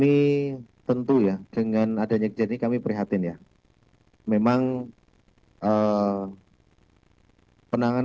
ini adalah disini ke trataan oleh pak antisara pukuli beranjak media dan dengan